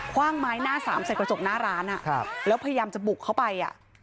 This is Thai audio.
ว่างไม้หน้าสามใส่กระจกหน้าร้านแล้วพยายามจะบุกเข้าไป